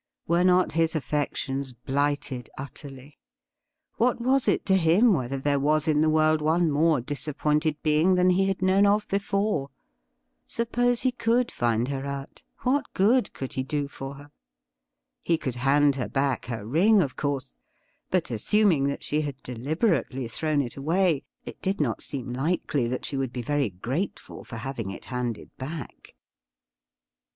Were not his affections blighted utterly ? What was it to him whether there was in the world one more disap pointed being than he had known of before ? Suppose he could find her out, what good could he do for her ? He could hand her back her ring, of course ; but, assuming that she had deliberately thrown it away, it did not seem likely that she would be very grateful for having it handed back.